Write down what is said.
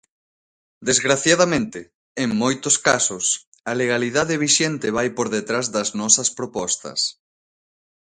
Desgraciadamente, en moitos casos, a legalidade vixente vai por detrás das nosas propostas.